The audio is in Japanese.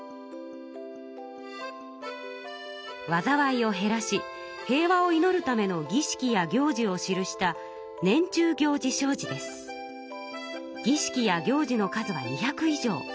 わざわいを減らし平和をいのるための儀式や行事を記した儀式や行事の数は２００以上。